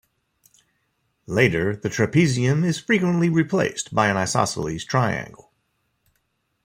Later, the trapezium is frequently replaced by an isosceles triangle.